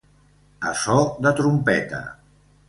A so de trompeta.